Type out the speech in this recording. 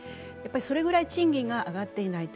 それぐらい賃金が上っていない。